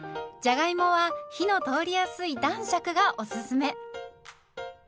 じゃがいもは火の通りやすい男爵がおすすめ。